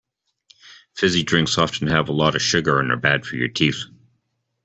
Fizzy drinks often have a lot of sugar and are bad for your teeth